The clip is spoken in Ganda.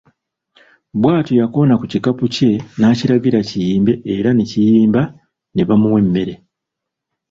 Bwatyo yakoona ku kikapu kye nakiragira kiyimbe era ne kiyimba ne bamuwa emmere.